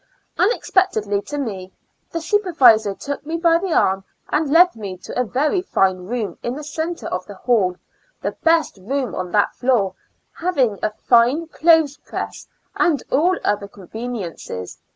Unexpectedly to me, the supervisor took me by the arm and led me to a very fine room in the center of the hall, the best room on that floor, having a fine clothes press and all other conveniences.